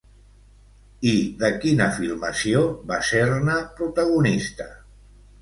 I de quina filmació va ser-ne protagonista?